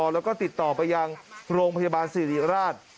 แล้วก็ติดต่อไปยังโรงพยาบาลสิริราช